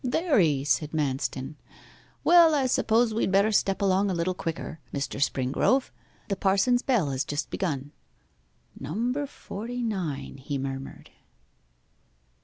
'Very,' said Manston. 'Well, I suppose we had better step along a little quicker, Mr. Springrove; the parson's bell has just begun.' 'Number forty nine,' he murmured.